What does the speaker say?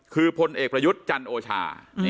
คือพลเอกประยุทธ์จันโอชา